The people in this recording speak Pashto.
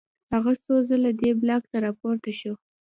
هغه څو ځله دې بلاک ته راپورته شو